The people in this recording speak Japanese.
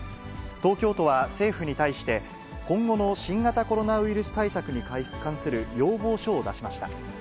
東京都は政府に対して、今後の新型コロナウイルス対策に関する要望書を出しました。